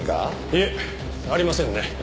いえありませんね。